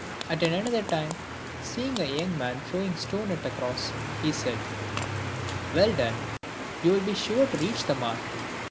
At another time, seeing a young man throw ing stones at a cross, he said, "Well done, you will be sure to reach the mark."